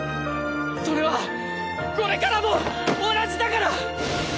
それはこれからも同じだから！